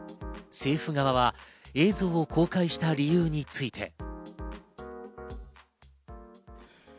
政府側は映像を公開した理由について。